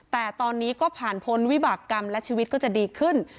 แต่ตอนนี้ก็ผ่านพ้นวิบากรรมและชีวิตก็จะดีขึ้น